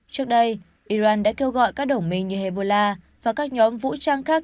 trước đây iran đã kêu gọi các đồng minh như hezbollah và các nhóm vũ trang khác